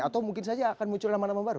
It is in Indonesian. atau mungkin saja akan muncul nama nama baru